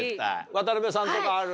渡さんとかある？